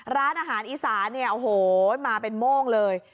ร้านอาหารอีสานเนี่ยโอ้โหมาเป็นโม่งเลย